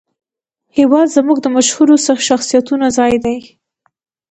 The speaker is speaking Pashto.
هېواد زموږ د مشهورو شخصیتونو ځای دی